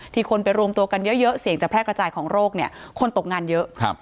ที่คนไปรวมตัวกันเยอะเสี่ยงจะแพร่กระจายของโรคคนตกงานเยอะ